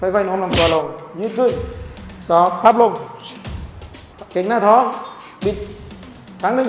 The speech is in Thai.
ค่อยน้อมลำตัวลงยืดขึ้นสอบพับลงเก่งหน้าท้องบิดครั้งหนึ่ง